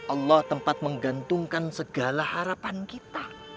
allah tempat menggantungkan segala harapan kita